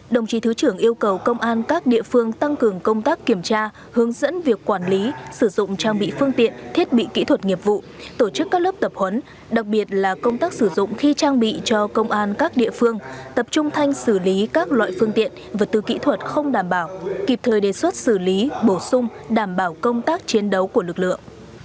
đồng chí thứ trưởng yêu cầu công an các địa phương tăng cường công tác kiểm tra hướng dẫn việc quản lý sử dụng trang bị phương tiện thiết bị kỹ thuật nghiệp vụ tổ chức các lớp tập huấn đặc biệt là công tác sử dụng khi trang bị cho công an các địa phương tập trung thanh xử lý các loại phương tiện vật tư kỹ thuật không đảm bảo kịp thời đề xuất xử lý bổ sung đảm bảo công tác chiến đấu của lực lượng